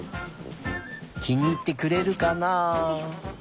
きにいってくれるかな？